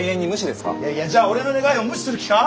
いやいやじゃあ俺の願いを無視する気か？